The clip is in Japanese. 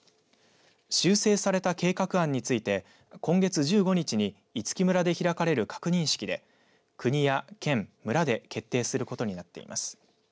修正された計画案について今月１５日に五木村で開かれる確認式で国や県、村で決定することになっています。